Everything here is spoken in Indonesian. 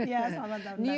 ya selamat tahun baru